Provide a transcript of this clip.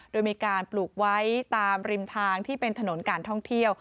โดยมีการปลูกไว้ตามริมทางที่เป็นถนนการท่องเที่ยว